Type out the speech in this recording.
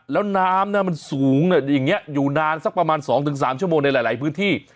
แล้วน้ำมันสูงอย่างนี้อยู่นานสักประมาณ๒๓ชั่วโมงในหลายพื้นที่